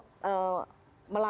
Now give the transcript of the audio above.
yang juga diberikan yang juga diberikan